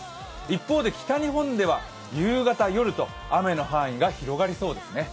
一方で北日本では夕方、夜と雨の範囲が広がりそうですね。